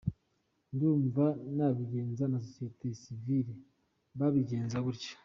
Ndumva n’abigenga na Sosiyete sivile babigenza gutyo.